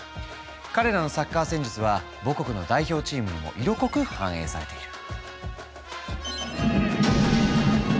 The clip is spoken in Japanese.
彼らのサッカー戦術は母国の代表チームにも色濃く反映されている。